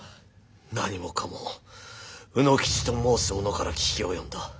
何もかも卯之吉と申す者から聞き及んだ。